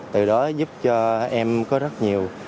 từ đó giúp cho em có rất nhiều